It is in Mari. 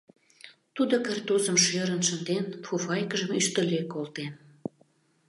Тудо картузым шӧрын шынден, фуфайкыжым ӱштыле колтен.